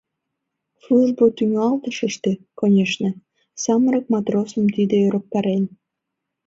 Службо тӱҥалтышыште, конешне, самырык матросым тиде ӧрыктарен.